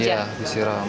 iya air panas iya disiram